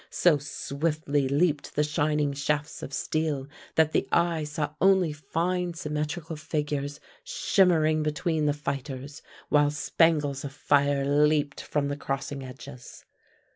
So swiftly leaped the shining shafts of steel that the eye saw only fine symmetrical figures shimmering between the fighters, while spangles of fire leaped from the crossing edges.